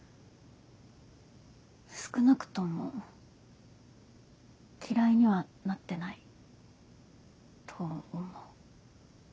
少なくとも嫌いにはなってないと思う。